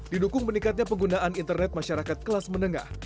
didukung meningkatnya penggunaan internet masyarakat kelas menengah